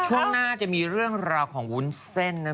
ช่วงหน้าจะมีเรื่องราวของวุ้นเส้นนะ